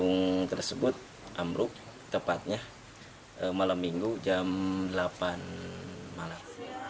gedung tersebut ambruk tepatnya malam minggu jam delapan malam